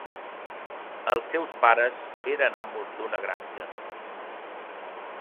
Els seus pares eren amos d'una granja.